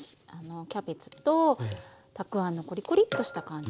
キャベツとたくあんのコリコリッとした感じが。